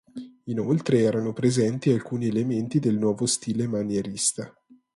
Inoltre, erano presenti alcuni elementi del nuovo stile manierista.